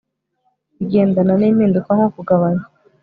bigendana nimpinduka nko kugabanya